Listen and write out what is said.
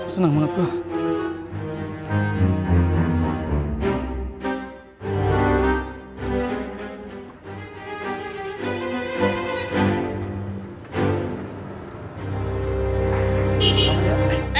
senang banget gue